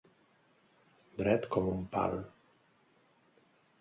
Dret com un pal.